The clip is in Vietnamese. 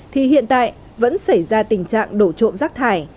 thì hiện tại vẫn xảy ra tình trạng đổ trộm rác thải